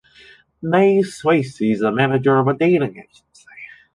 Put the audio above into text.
Mae Swasey is the manager of a dating agency.